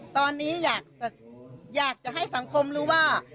ตอนนี้อยากจะให้สังคมรู้ว่า